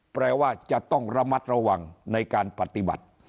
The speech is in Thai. แปลว่าจะต้องระมัดระวังในการปฏิบัติ